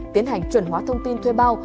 tiến hành chuẩn hóa thông tin thuê bao